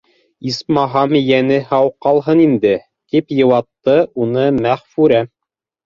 — Исмаһам, йәне һау ҡалһын инде, — тип йыуатты уны Мәғфүрә.